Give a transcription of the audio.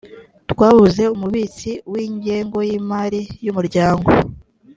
twabuze umubitsi w’ ingengo y’ imari y’umuryango